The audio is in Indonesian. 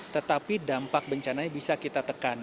tetapi dampak bencananya bisa kita tekan